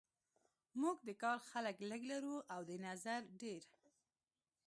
موږ د کار خلک لږ لرو او د نظر ډیر